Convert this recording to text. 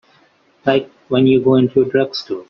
Like when you go into a drugstore.